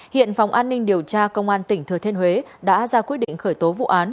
hiện phòng an ninh điều tra công an tỉnh thừa thiên huế đã ra quyết định khởi tố vụ án